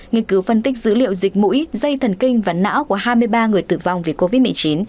nghiên cứu phân tích dữ liệu dịch mũi dây thần kinh và não của hai mươi ba người tử vong vì covid một mươi chín